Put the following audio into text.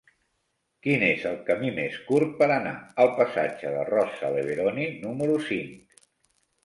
Quin és el camí més curt per anar al passatge de Rosa Leveroni número cinc?